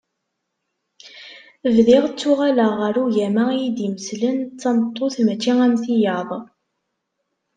Bdiɣ ttuɣaleɣ ɣer ugama iyi-d-imeslen d tameṭṭut mačči am tiyaḍ.